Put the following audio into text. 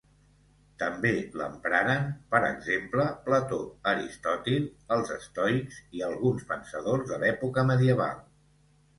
També l'empraren, per exemple, Plató, Aristòtil, els estoics i alguns pensadors de l'època medieval.